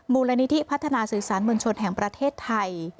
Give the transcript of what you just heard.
มูลนิธิพัฒนาสื่อสารมวลชนแห่งประเทศไทย